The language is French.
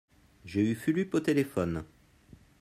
j'ai eu Fulup au téléphone.